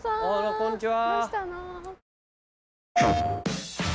こんにちは。